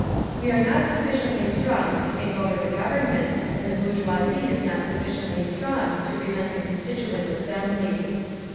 We are not sufficiently strong to take over the Government, and the bourgeoisie is not sufficiently strong to prevent the Constituent Assembly.